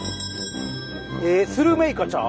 えっスルメイカちゃう？